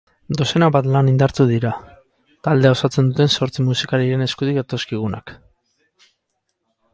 Dozena bat lan indartsu dira, taldea osatzen duten zortzi musikariren eskutik datozkigunak.